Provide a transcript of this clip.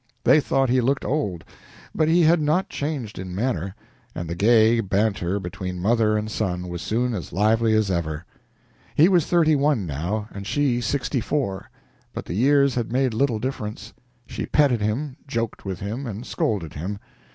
They thought he looked old, but he had not changed in manner, and the gay banter between mother and son was soon as lively as ever. He was thirty one now, and she sixty four, but the years had made little difference. She petted him, joked with him, and scolded him.